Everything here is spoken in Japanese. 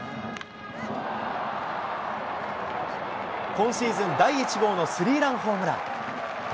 今シーズン第１号のスリーランホームラン。